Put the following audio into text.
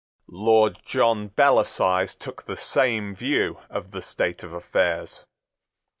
John Lord Bellasyse took the same view of the state of affairs.